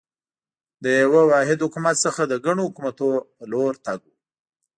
له یوه واحد حکومت څخه د ګڼو حکومتونو په لور تګ و.